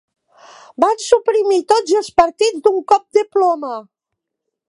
Van suprimir tots els partits d'un cop de ploma.